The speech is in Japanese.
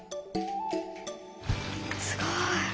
すごい！